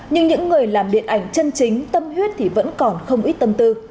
nhưng những người làm điện ảnh chân chính tâm huyết thì vẫn còn không ít tâm tư